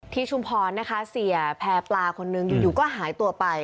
ที่ชุมพรเสียแพร่ปลาคนหนึ่งอยู่ก็หายตัวไป